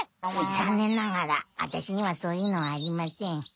残念ながらワタシにはそういうのはありません。